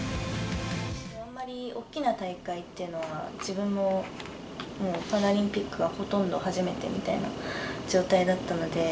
あんまり大きな大会というのは自分もパラリンピックがほとんど初めてみたいな状態だったので。